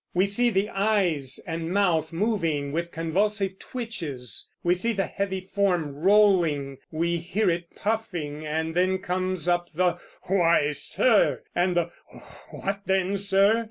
We see the eyes and mouth moving with convulsive twitches; we see the heavy form rolling; we hear it puffing; and then comes the "Why, sir!" and the "What then, sir?"